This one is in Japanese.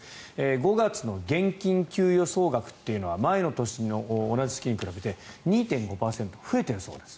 ５月の現金給与総額というのは前の年の同じ月に比べて２．５％増えてるそうです。